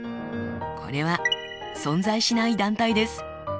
これは存在しない団体です。